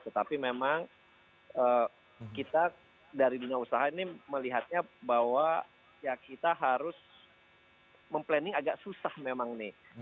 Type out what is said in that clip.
tetapi memang kita dari dunia usaha ini melihatnya bahwa ya kita harus mem planning agak susah memang nih